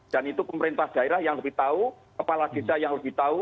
dan itu pemerintah daerah yang lebih tahu kepala desa yang lebih tahu